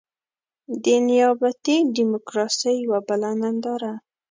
د نيابتي ډيموکراسۍ يوه بله ننداره.